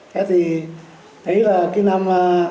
thế thì thấy là cái năm